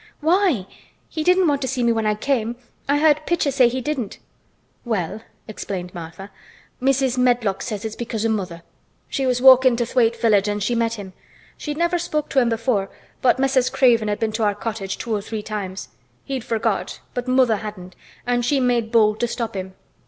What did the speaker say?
Why! He didn't want to see me when I came. I heard Pitcher say he didn't." "Well," explained Martha, "Mrs. Medlock says it's because o' mother. She was walkin' to Thwaite village an' she met him. She'd never spoke to him before, but Mrs. Craven had been to our cottage two or three times. He'd forgot, but mother hadn't an' she made bold to stop him.